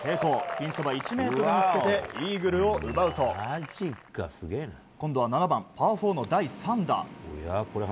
ピンそば１ｍにつけてイーグルを奪うと今度は７番、パー４の第３打。